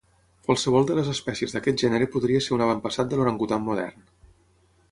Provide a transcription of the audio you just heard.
Qualsevol de les espècies d'aquest gènere podria ser un avantpassat de l'orangutan modern.